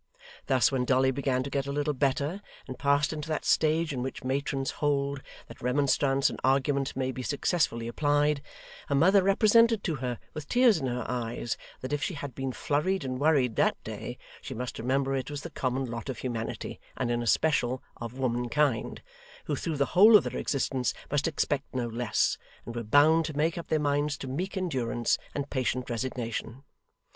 Thus when Dolly began to get a little better, and passed into that stage in which matrons hold that remonstrance and argument may be successfully applied, her mother represented to her, with tears in her eyes, that if she had been flurried and worried that day, she must remember it was the common lot of humanity, and in especial of womankind, who through the whole of their existence must expect no less, and were bound to make up their minds to meek endurance and patient resignation.